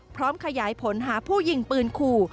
พร้อมขยายผลหาผู้ยิงปืนขู่